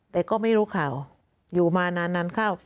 แต่ก็ไม่รู้ข่าวอยู่มานานเข้า